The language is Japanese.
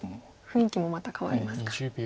雰囲気もまた変わりますか。